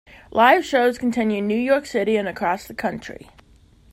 Live shows continue in New York City and across the country.